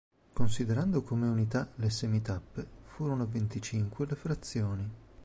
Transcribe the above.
Considerando come unità le semitappe, furono venticinque le frazioni.